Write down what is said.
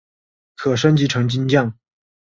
可升级成金将。